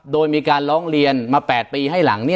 โดยมีการร้องเรียนมา๘ปีให้หลัง